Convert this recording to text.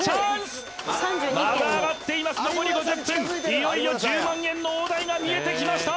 いよいよ１０万円の大台が見えてきました